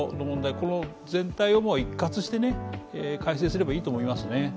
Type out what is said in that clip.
この全体を、もう一括して改正すればいいと思いますね。